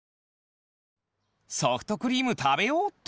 ソフトクリームたべようっと！